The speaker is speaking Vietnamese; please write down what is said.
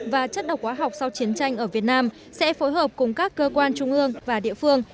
và chất độc hóa học sau chiến tranh ở việt nam sẽ phối hợp cùng các cơ quan trung ương và địa phương